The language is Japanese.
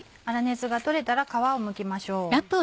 粗熱が取れたら皮をむきましょう。